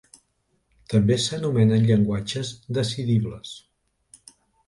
També s'anomenen llenguatges decidibles.